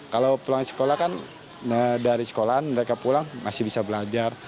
kalau pulang sekolah kan dari sekolahan mereka pulang masih bisa belajar